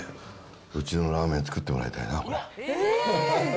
うちのラーメン作ってもらいたいな、これ。